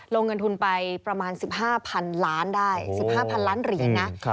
ลงเงินทุนไปประมาณสิบห้าพันล้านได้สิบห้าพันล้านหรีนะ